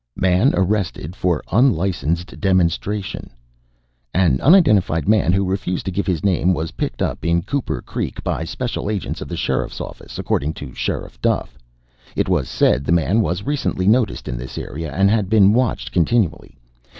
MAN ARRESTED FOR UNLICENSED DEMONSTRATION An unidentified man who refused to give his name was picked up in Cooper Creek by special agents of the sheriff's office, according to Sheriff Duff. It was said the man was recently noticed in this area and had been watched continually.